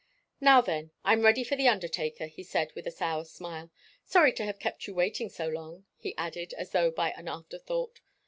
"Now then, I'm ready for the undertaker," he said, with a sour smile. "Sorry to have kept you waiting so long," he added, as though by an afterthought.